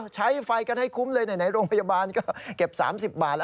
ใช้ไฟกันให้คุ้มเลยไหนโรงพยาบาลก็เก็บ๓๐บาท